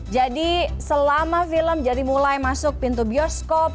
jadi selama film jadi mulai masuk pintu bioskop